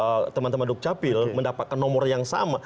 agar nanti ketika teman teman dukcapil mendapatkan nomor yang sama